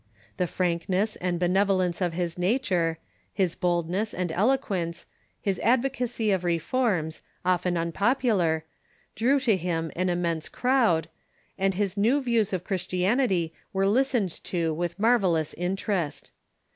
The frankness and benevolence of his nature, his bold ness and eloquence, his advocacy of reforms, often unpopular, drew to him an immense crowd, and his new views of Christi anity were listened to with marvellous interest.